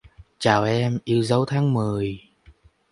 Chào em, yêu dấu Tháng Mười